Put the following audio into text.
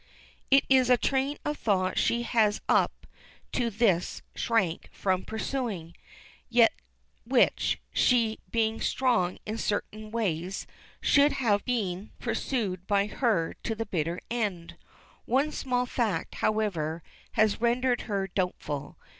It is a train of thought she has up to this shrank from pursuing, yet which, she being strong in certain ways, should have been pursued by her to the bitter end. One small fact, however, had rendered her doubtful.